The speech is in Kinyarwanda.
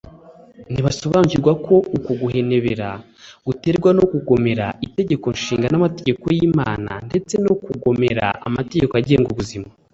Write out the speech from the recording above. ntibasobanukirwa ko uko guhenebera guterwa no kugomera itegekonshinga n'amategeko y'imana, ndetse no kugomera amategeko agenga ubuzima